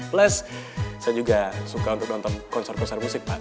plus saya juga suka untuk nonton konser konser musik pak